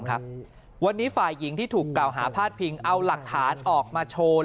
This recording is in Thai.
วันนี้ฝ่ายหญิงที่ถูกกล่าวหาพาดพิงเอาหลักฐานออกมาโชว์